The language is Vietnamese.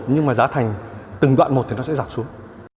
nhưng mà giá thành từng đoạn một thì nó sẽ giảm xuống